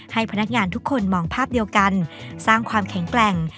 ให้พนักงานทุกคนมองภาพเดียวกันสร้างความแข็งแกร่ง